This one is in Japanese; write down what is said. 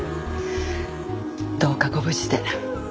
どうかご無事で。